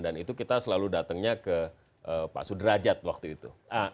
dan itu kita selalu datangnya ke pak sudrajat waktu itu